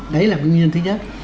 đấy là nguyên nhân thứ nhất